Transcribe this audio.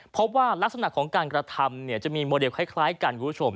เพราะว่ารักษณะของการกระทำจะมีโมเดลคล้ายกัน